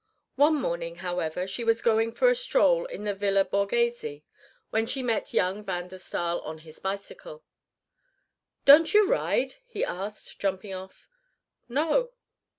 One morning, however, she was going for a stroll in the Villa Borghese, when she met young Van der Staal, on his bicycle. "Don't you ride?" he asked, jumping off. "No."